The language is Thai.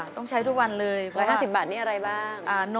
ต้องใช้ทุกวันเลย๑๕๐บาทนี่อะไรบ้าง